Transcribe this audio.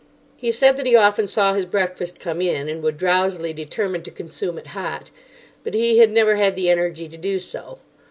He said that he often saw his breakfast come in, and would drowsily determine to consume it hot. But he had never had the energy to do so.